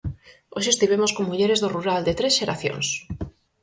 Hoxe estivemos con mulleres do rural de tres xeracións.